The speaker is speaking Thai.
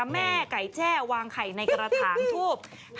แม่ไก่แจ้วางไข่ในกระถางทูบ